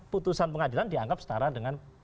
putusan pengadilan dianggap setara dengan